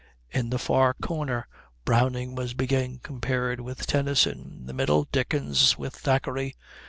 In the far corner Browning was being compared with Tennyson; in the middle, Dickens with Thackeray.